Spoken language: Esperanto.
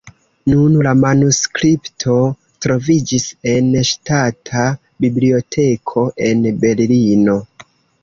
Nun la manuskripto troviĝis en Ŝtata Biblioteko en Berlino.